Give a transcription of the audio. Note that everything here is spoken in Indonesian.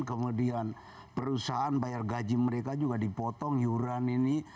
kemudian perusahaan bayar gaji mereka juga dipotong yuran ini